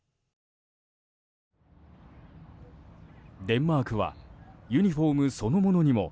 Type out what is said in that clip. デンマークはユニホームそのものにも